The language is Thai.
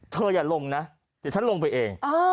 อย่าลงนะเดี๋ยวฉันลงไปเอง